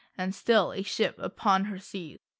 And still, a ship upon her seas.